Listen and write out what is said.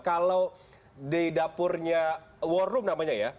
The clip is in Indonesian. kalau di dapurnya war room namanya ya